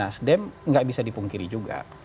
perubahan dari nas demikian tidak bisa dipungkiri juga